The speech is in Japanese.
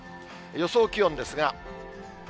予想気温ですが。